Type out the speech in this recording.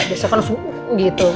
biasanya kan harus gitu